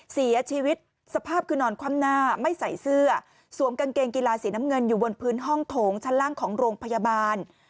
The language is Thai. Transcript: เสียชีวิตสภาพคือนอนคว่ำหน้าไม่ใส่เสื้อสวมกางเกงกีฬาสีน้ำเงินอยู่บนพื้นห้องโถงชั้นล่างของโรงพยาบาล